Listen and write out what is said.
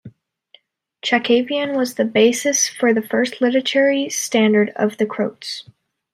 Chakavian was the basis for the first literary standard of the Croats.